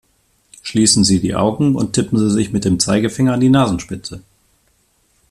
Schließen Sie die Augen und tippen Sie sich mit dem Zeigefinder an die Nasenspitze!